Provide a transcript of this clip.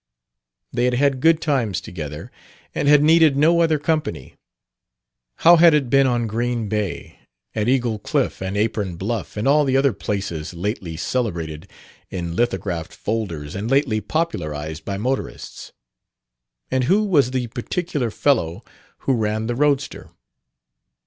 They had had good times together and had needed no other company. How had it been on Green Bay at Eagle Cliff and Apron Bluff and all the other places lately celebrated in lithographed "folders" and lately popularized by motorists? And who was the particular "fellow" who ran the roadster?